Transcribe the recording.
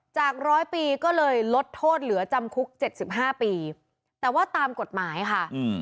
จากร้อยปีก็เลยลดโทษเหลือจำคุก๗๕ปีแต่ว่าตามกฎหมายค่ะ